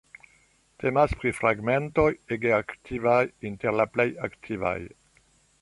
Temas pri fragmentoj ege antikvaj, inter la plej antikvaj.